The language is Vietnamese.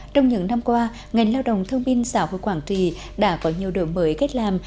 trong những năm qua ngành lao động thương binh xã hội quảng trì đã có nhiều đổi mới cách làm